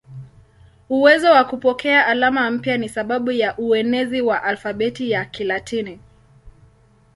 Uwezo wa kupokea alama mpya ni sababu ya uenezi wa alfabeti ya Kilatini.